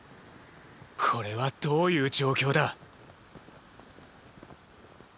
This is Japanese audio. これはどういう状況だ？